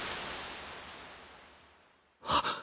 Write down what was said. あっ！